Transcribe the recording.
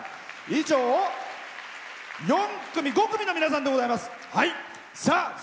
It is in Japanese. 以上、５組の皆さんでございます。